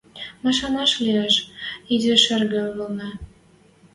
Машанаш лиэш, изи шӹргӹ вӹлнӹ